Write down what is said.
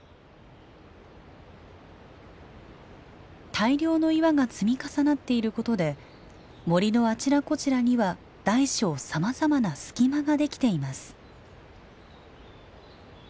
大量の岩が積み重なっていることで森のあちらこちらには大小さまざまな隙間ができています。